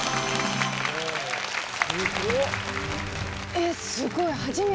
えっすごい。